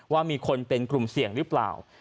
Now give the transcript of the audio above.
ว่ามีคนเป็นกลุ่มเสี่ยงหรือเปล่า